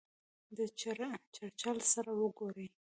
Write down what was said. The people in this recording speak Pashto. د چرچل سره وګوري.